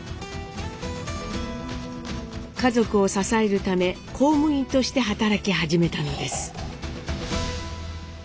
家族を支えるため公務員として働き始めたのです。